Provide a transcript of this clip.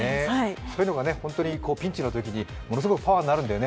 そういうのが本当にピンチのときにパワーになるんだよね。